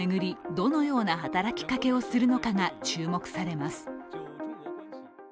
どのような働きかけをするのかが注目されます。